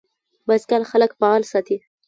بایسکل خلک فعال ساتي.